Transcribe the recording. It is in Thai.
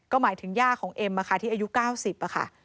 ก็หมายถึงย่าของเอ็มที่อายุ๙๐ค่ะ